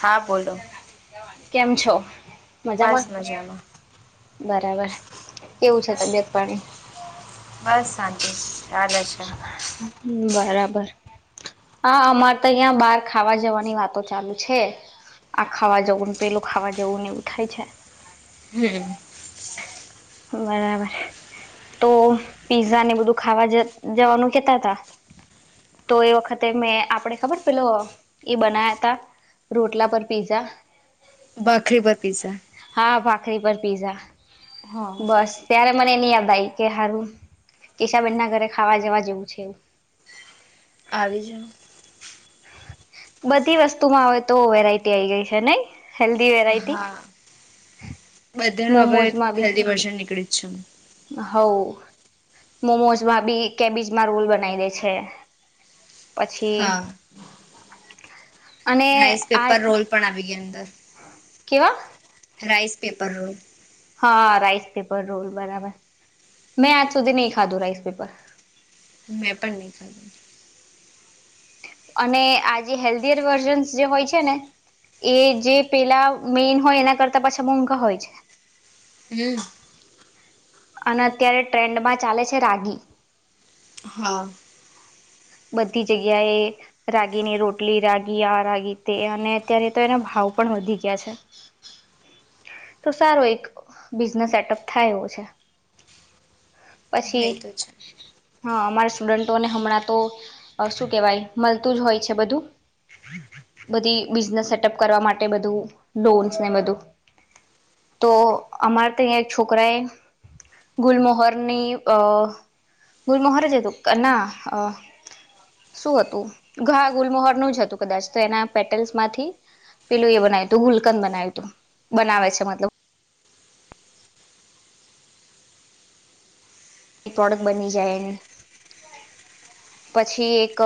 હા, બોલો. કેમ છો? બસ મજામાં મજામાં બરાબર, કેવું છે તબિયત પાણી? તી ચાલે છે. બર. હા અમારે તો અહિયાં બહાર ખાવા જવાની વાતો ચાલુ છે. આ ખાવા જવું પેલું ખાવા જવુંને એવું થાય છે. હમ બરાબર. તો પીઝા ને બધું ખાવા જવાનું કેતા તા તો એ વખતે મેં આપડે ખબર પેલો એ બના્યા તા રોટલા પર પીઝા. ભાખરી પર પીઝા. ભાકરી પર પિઝા. હા બસ ત્યારે મને એને યાદ આવી કે સારું કેશાબેન ના ઘરે ખાવા જવા જેવું છે એવું આવી જાઓ. બધી વસ્તુ માં આવેય તો વેરાયટી આઈ ગઈ છે નઈ હેલ્દી વેરાયટી.. બધા ન હવે મોમોઝમાં બી હેલ્ધી વર્ઝન નીકળી જ છે. હવ મોમોઝમાં બી કેબીજમાં રોલ બનાવી દે છે. પછી હા અને રાઈસ આ પેપર રોલ પણ આવી ગયા અંદર કેવા રાઇસ પેપર રોલ હા રાઈસ પેપર રોલ બરાબર મેં આજ સુધી નહી ખાધું રાઈસ પેપર મેં પણ ન અને આ જે હેલ્ધિ વર્ઝન્સ જે હોય છે ને એ જે પેલા મેઈન હોય એના કરતા પાછા મોંઘા હોય છે હમ અને અત્યારે ટ્રેન્ડમાં ચાલે છે રાગી હા બધી જગ્યાએ રાગીની રોટલી રાગી આ રાગી તે અને અત્યારે તો એના ભાવ પણ વધી ગયા છે તો સારો એક બિઝનેસ સેટઅપ થાય એ છે. પછી હા એ તો છે હા અમારા સ્ટુડન્ટોને હમણાં તો શું કેવાય મળતું જ હોય છે બધું બધી બિઝનેસ સેટઅપ કરવા માટે બધું ડોન્સ ને બધું તો અમારે તો અહીં એક છોકરા એ ગુલમોહરની અ ગુલમોહર જ હતું ના શું હતું ઘા ગુલમોહર નું જ હતું કદાચ તો એના પેટલ્સ માંથી પેલું એ બનાવ્યું હતું ગુલકંદ બનાવ્યું તું બનાવે છે. મતલબ પ્રોડક્ટ બની જાય એની પછી એક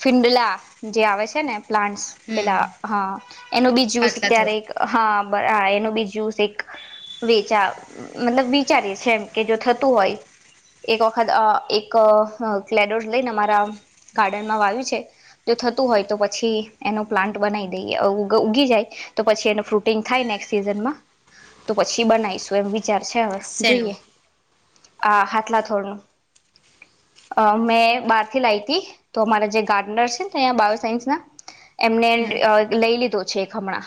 ફિંડલા જે આવે છે ને પ્લાન્ટ હમ પેલા હા એનું બી જ્યુસ હાથલા થોર અત્યારે હા બર આ એનું બીજુ એક વેચા મતલબ વિચારી છે કે જો થતું હોય એક વખત એક્ડોસ લઈને અમારા ગાર્ડનમાં વાય્યું છે જો થતું હોય તો પછી એનો પ્લાન્ટ બનાવી દઈએ ઉગી જાય તો પછી એનું ફ્રૂટિંગ થાય નેક્સ્ટ સીઝનમાં તો પછી બનાવીશું એમ વિચાર અછા હવે શેનું જોઈએ આ હાથલાથોર ન મેં બારથી લાવી હતી તો અમારા જે ગાર્ડનર છે ને ત બાયો સાઇન્સ ના એમને હમ લઈ લીધો છે હમણાં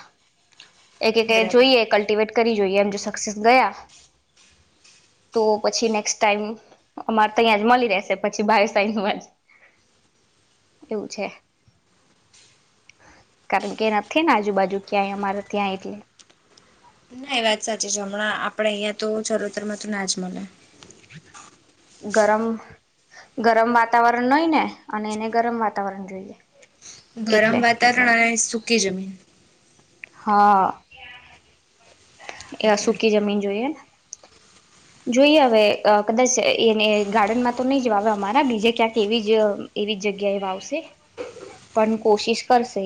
એક એક બરાબર જોઈએ કલ્ટિવેટ કરી જોઈએ એમ જો સક્સેસ ગયા તો પછી નેક્સ્ટ ટાઈમ અમારે તહીં જ મળી રહેશે પછી બાવ સાઈ ન એવું છે કારણ કે નથી ને આજુબાજુ ક્યાંય અમારે ત્યાં એટલે ના એ વાત સાચી છે હમણાં આપડે અહિયાં તો ચલોતર માં તો ના જ મળે ગરમ ગરમ વાતાવરણ નય ને અને એને ગરમ વાતાવરણ જોઈએ ગરમ એટલે વાતાવરણ અને શું કે જમીન હા એ એટલે સુકી જમીન જોઈએ જોઈએ હવે કદાચ એને ગાર્ડનમાં તો નહી જ વાવે અમારા બીજા ક્યાંક એવી જ એવી જ જગ્યા એ વાવશે પણ કોશિશ કરશે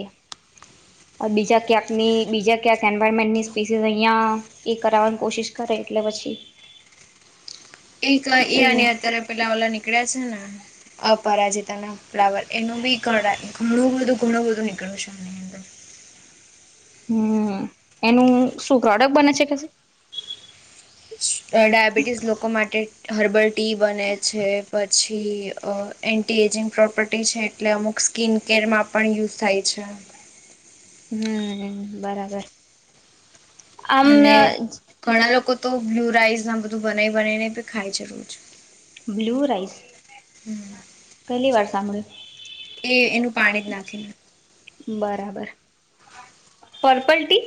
બીજા ક્યાંકની બીજા ક્યાંક એન્વારમેન્ટની સ્પીસીસ અહિયાં એ કરાવવાની કોશિશ કરે એટલે પછી એક એ અને જોઈએ અત્યારે પેલા ઓલા નીકળ્યા છે ને અપરાજતા ના ફ્લાવર એનું બી ઘણાં ઘણું બધું ઘણું બધું નીકળ્યું છે એની અંદર હમ્મ. એનું શું પ્રોડક બને છે કશે? અહ ડાયાબિટીસ લોકો માટે હર્બલ ટી બને છે પર પછી અહ એન્ટી એજિંગ પ્રોપર્ટી છે, એટલે અમુક સ્કિન કેરમાં પણ યુઝ થાય છે હમ્મ બરાબર. આમ અને નજ ઘણા લોકો તો બ્લુ રાઈસ ને બધું બનાઈ બનાઈ ખાય છે રોજ. Blue rice? હમ્મ. પહેલી વાર સાંભળ્યું એ એનું પાણી જ નાખીને. બરાબર purple tea?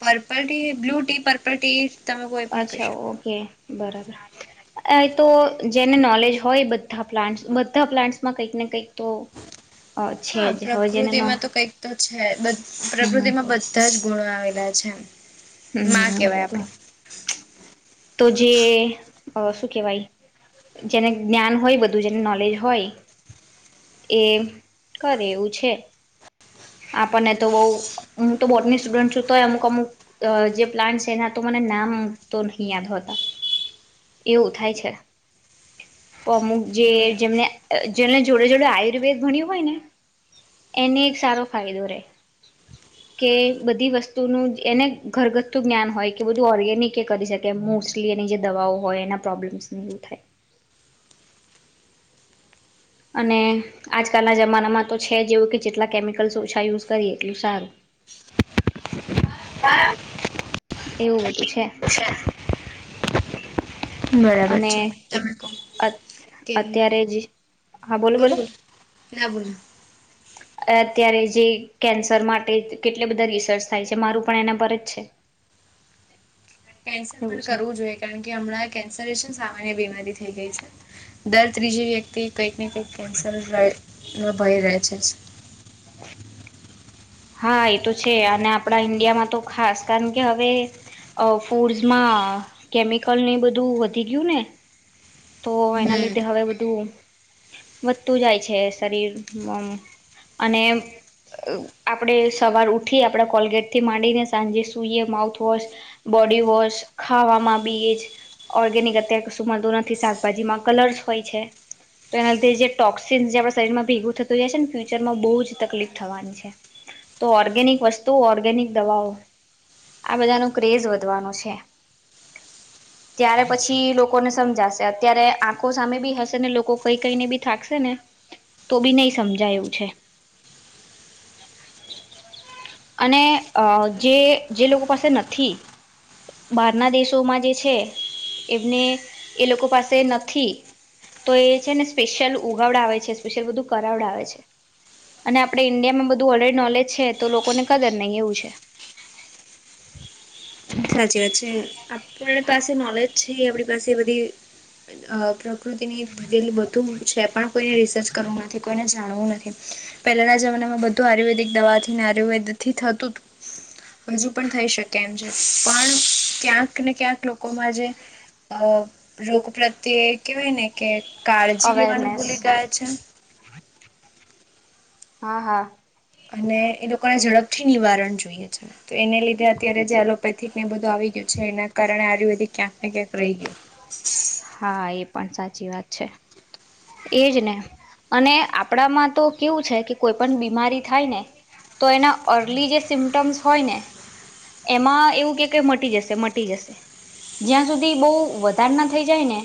Purple tea, blue tea purple tea તમે કોઈ પણ કહી અચ્છા શકો ઓકે. બરાબર. અહ તો જેને નોલેજ હોય બધા પ્લાન્ટસ બધા પ્લાન્ટસમાં કંઈક ને કંઈક તો ઓ હા છેજ હોય જેને નો પ્રકૃતિમાં તો કંઈક તો છે. પ્રકૃતિ માં બધા જ ગુણો આવે. રા છે. માં [unintelligible] કેવાય [inaudible] તો જે અ શું કેવાય જેને જ્ઞાન હોય બધું જેને નોલેજ હોય એ કરે એવું છે. આપણને તો બવ હું તો બોટની સ્ટુડન્ટ છું તો અમુક અમુક અ જે પ્લાન્ટ એના તો મને નામ તો નહી યાદ હોતા એવું થાય છે. તો અમુક જે આપડી જેમને જેને જોડે જોડે આયુર્વેદ ભણ્યું હોય ને એને એક સારો ફાયદો રહે કે બધી વસ્તુનું એને ઘરગથ્થું જ્ઞાન હોય કે બધું ઓર્ગેનિક એ કરી શકે મોસ્ટલી એની જે દવાઓ હોય એના પ્રોબ્લેમસ એવું થાય. અને આજકાલના જમાનામાં તો છે જેવું કે જેટલા કેમિકલ્સ ઓછા યુઝ કરીએ એટલું સારું. બા. એવું બધું છે. બરાબર અને છે તમે કો. કે, અત્યારે જ હા બોલો બોલો બરોબર, ના બોલ. અત્યારે જે કેન્સર માટે કેટલા બધા રિસર્ચ થાય છે મારું પણ એના પર જ છે. કેન્સર એવું પણ છે કરવું જોઈએ. કારણ કે હમણાં કેન્સરે છે સામાન્ય બીમારી. થઈ ગઈ છે. દર ત્રીજી વ્યક્તિ કઈકને કંઈક કેન્સર જ [inaudible] હોય રહે છે જ. હા એ તો છે અને આપણા ઈન્ડિયામાં તો ખાસ કારણ કે હવે અ ફૂડસમાં કેમિકલ ની બધું વધી ગયું ને તો એના હમ લીધે હવે બધું વધતું જાય છે શરીર અને અ આપડે સવાર ઉઠી આપડા કોલગેટ થી માંડીને સાંજે સુઈએ માઉથવોશ, બોડીવોશ, ખાવામાં બી એ જ ઓર્ગેનિક અત્યારે કશું મળતું ન કે શાકભાજીમાં કલર્સ હોય છે તો એના લીધે જે ટોક્સિન જે આપ શરીરમાં ભેગું થતું જાય છે ને ફ્યુચરમાં બહુ જ તકલીફ થવાની છે તો ઓર્ગેનિક વસ્તુઓ ઓર્ગેનિક દવાઓ આ બધાનો ક્રેઝ વધવાનો છે. ત્યારે પછી લોકોને સમજાશે અત્યારે આંખો સામે બી હશે ને લોકો કઈ કઈને બી થાકશે ને તો બી નહી સમજાયું છે. અને અ જે જે લોકો પાસે નથી બહારના દેશોમાં જે છે એમને એ લોકો પાસે નથી તો એ છે ને સ્પેશિયલ ઉગાવડાવે છે સ્પેશિયલ બધું કરાવડાવે છે અને આપણે ઇન્ડિયામાં બધું ઓલરેડી નોલેજ છે તો લોકોને કદર નહી એવું છે. સાચી વાત છે આપ પાસે નોલેજ છે આપણી પાસે બધી પ્રકૃતિની દીધેલી બધું છે પણ કોઈને રિસર્ચ કરવું નથી કોઈને જાણવું નથી. પહેલાના જમાનામાં બધું આયુર્વેદિક દવાથી આયુર્વેદ થી થતું હજુ પણ થઈ શકે એમ છે. પણ ક્યાંક ને ક્યાંક લોકોમાં જે અ રોગ પ્રત્યે કેહેવાય ને કે કાળજી લેવાની અવેરનેસ ભૂલી ગયા છે. હા હા. અને એ લોકોને ઝડપથી નિવારણ જોઈએ છે. તેને લીધે અત્યારે જે એલોપે [unintelligible] ને બધું આવી ગયું છે એના કારણે આયુર્વેદિક ક્યાંક ને ક્યાંક રહી ગયું. હા એ પણ સાચી વાત છે. એજ ને અને આપણામાં તો કેવું છે કે કોઈ પણ બીમારી થાય ને તો એના અર્લી જે સિમટમ્સ હોય ને એમાં એવું કે મટી જશે મટી જશે જ્યાં સુધી બવ વધાર ના થઈ જાય ને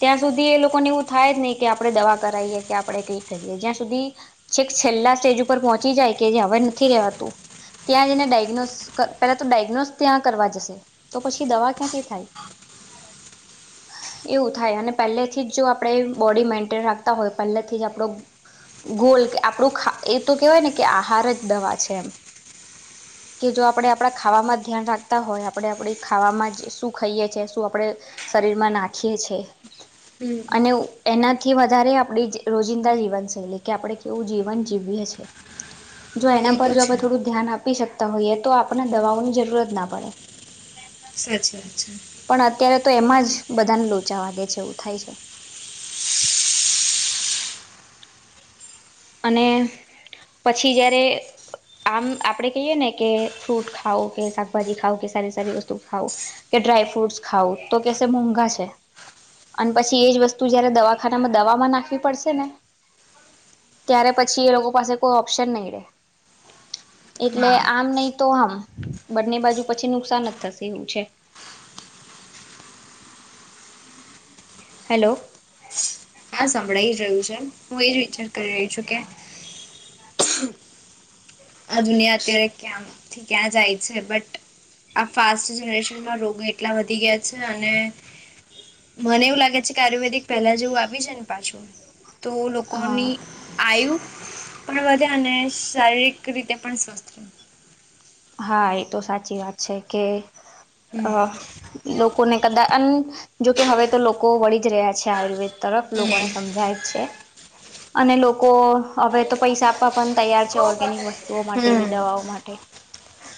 ત્યાં સુધી એ લોકોને એવ થાય જ નહી કે આપણે દવા કરાવીએ કે આપણે કઈ કરીએ જ્યાં સુધી છેક છેલ્લા સ્ટેજ ઉપર પહોંચી જાય કે જે હવાર નથી રવાતું ત્યાં જેને ડાયગ્નોસ પેલા તો ડાયગ્નોસ ત્યાં કરવા જશે તો પછી દવા ક્યાંથી થાય. એવું થાય અને પહેલેથી જ જો આપણે બોડી મેન્ટેન રાખતા હોય પહેલાથી જ આપણો ગોલ આપણું ખા એ તો કેહેવાય ને કે આહાર જ દવા છે. કે જો આપણે આપણા ખાવામાં ધ્યાન રાખતા હોય આપણે આપણી ખાવામાં શું ખાઈએ છે શું આપણે શરીરમાં નાખીએ છે. હમ અને એનાથી વધારે આપણી રોજિંદા જીવનશૈલી કે આપણે કેવું જીવન જીવીએ છીએ. જો એ એના પર તો જો છે આપણે થોડું ધ્યાન આપ આપી શકતા હોઈએ તો આપણે દવાઓની જરૂરત ના પડે. સે અચ્છા અચ્છા. પણ અત્યારે તો એમાં જ બધાને લોચા વાગે છે એવું થાય છે. અને પછી જયારે આમ આપડે કહીએ ને કે ફ્રૂટ ખાવ કે શાકભાજી ખાવ કે સારી સારી વસ્તુ ખાવું કે ડ્રાય ફ્રૂટસ ખાવું તો કેશે મોંઘા છે અને પછી એજ વસ્તુ જયારે દવાખાનામાં દવામાં નાખવી પડશે ને ત્યારે પછી એ લોકો પાસે કોઈ ઓપ્શન નહીં રહેે. એટલે હા આમ નઈ તો આમ બંને બાજુ પછી નુકસાન જ થશે એવું છે. હેલો. હા સંભળાઈ જ રહ્યું છે હું એજ રી [unintelligible] કરી રહી છું કે આ દુનિયા અત્યારે ક્યામ થી ક્યાં જાય છે બટ આ ફાસ્ટ જનરેશનમાં રોગ એટલા વધી ગયા છે અને મને એવું લાગે છે કે આયુર્વેદિક પહેલા જેવું આવી છે ને પાછું તો હા લોકોની આયુ પણ વધે અને શારીરિક એક રીતે પણ સ્વસ્થ રે હા એ તો સાચી વાત છે કે અ હમ લોકોને કદા અન્ન જોકે હવે તો લોકો વળી જ રહ્યા છે આયુર્વેદ તરફ હમ લોકોને સમજાય જ છે અને લોકો હવે તો પૈસા આપવા પણ તૈયાર છે ઓર્ગેનિક વસ્તુઓ માટે દવાઓ માટે.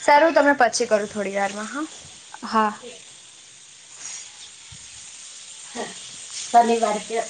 સારુ તમને પછી કરું થોડી વારમાં હા. હા. [inaudible] શનિવાર કે